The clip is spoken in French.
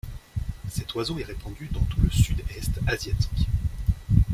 Cet oiseau est répandu dans tout le sud-est asiatique.